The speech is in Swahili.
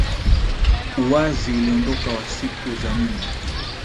Uwazi uliokonda wa siku za nyuma